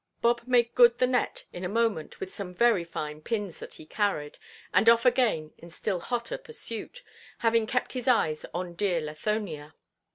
Bob made good the net in a moment with some very fine pins that he carried, and off again in still hotter pursuit, having kept his eyes on dear Lathonia.